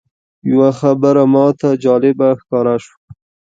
یوه خبره ماته جالبه ښکاره شوه.